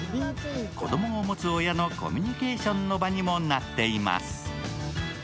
子供を持つ親のコミュニケーションの場にもなっています。